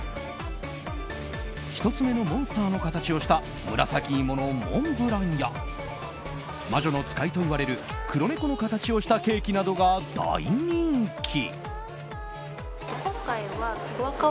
１つ目のモンスターの形をした紫芋のモンブランや魔女の使いといわれる黒猫の形をしたケーキなどが大人気。